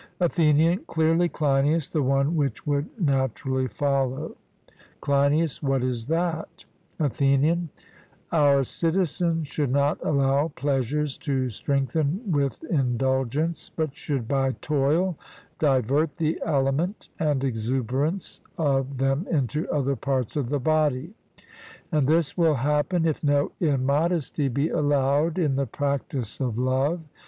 ATHENIAN: Clearly, Cleinias, the one which would naturally follow. CLEINIAS: What is that? ATHENIAN: Our citizens should not allow pleasures to strengthen with indulgence, but should by toil divert the aliment and exuberance of them into other parts of the body; and this will happen if no immodesty be allowed in the practice of love.